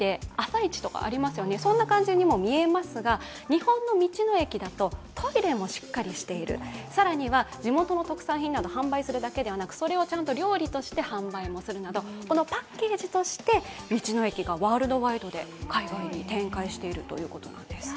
日本の道の駅だとトイレもしっかりしている、更には地元の特産品などを販売するだけではなくそれをちゃんと料理として販売もするなどパッケージとして道の駅がワールドワイドで海外に展開しているということです。